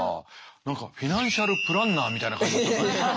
何かフィナンシャルプランナーみたいな感じ。